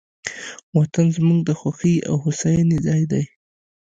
وطن زموږ د خوښۍ او هوساینې ځای دی.